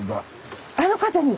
あの方に。